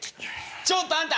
ちょっとあんた！